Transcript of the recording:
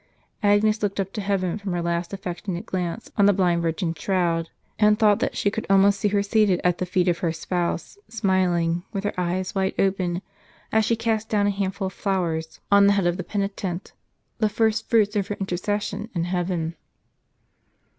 Agnes looked up to heaven from her last affectionate glance on the blind virgin's shroud, and thought that she could almost see her seated at the feet of her Spouse, smiling, with her eyes wide open, as she cast down a handful of flowers on the head of the peni tent, the first fruits of her intercession in heaven.